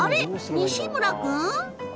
西村君？